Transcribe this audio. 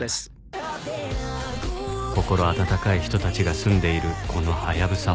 「心温かい人たちが住んでいるこのハヤブサは」